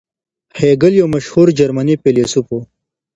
هیګل یو مشهور جرمني فیلسوف و.